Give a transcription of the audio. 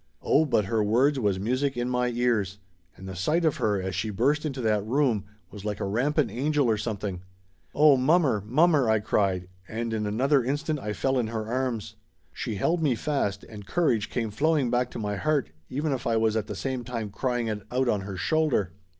Oh, but her words was music in my ears ! And the sight of her as she burst into that room was like a rampant angel or something. "Oh, mommer, mommer!" I cried, and in another instant I fell in her arms. She held me fast and courage come flowing back to my heart even if I was at the same time crying it out on her shoulder.